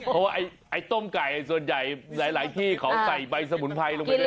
เพราะว่าไอ้ต้มไก่ส่วนใหญ่หลายที่เขาใส่ใบสมุนไพรลงไปด้วย